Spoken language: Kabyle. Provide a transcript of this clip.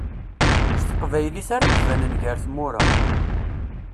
S teqbaylit ara d-banen gar tmura.